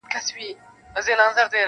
o راسه چي دي حسن ته جامي د غزل واغوندم,